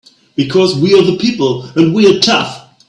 Because we're the people and we're tough!